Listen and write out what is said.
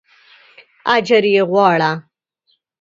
اجر یې غواړه.